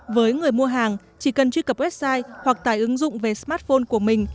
với người mua hàng chỉ cần truy cập website hoặc tải ứng dụng về smartphone của mình